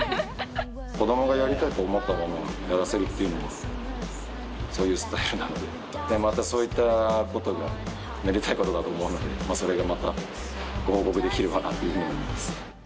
子どもがやりたいと思ったものをやらせるっていう、そういうスタイルなんで、またそういったことがめでたいことだと思うので、それがまたご報告できればなというふうに思います。